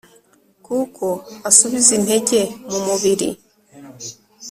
kuko asubiza intege mu mubiri